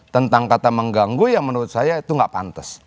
tentang kata mengganggu yang menurut saya itu nggak pantas